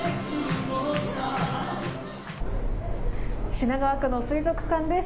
品川区の水族館です。